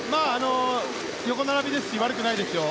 横並びですし悪くないですよ。